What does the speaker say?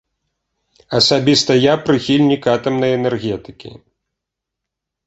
Асабіста я прыхільнік атамнай энергетыкі.